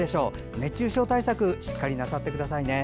熱中症対策なさってくださいね。